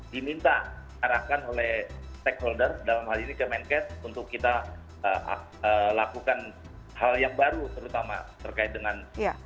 diminta arahkan oleh stakeholder dalam hal ini kemenkes untuk kita lakukan hal yang baru terutama terkait dengan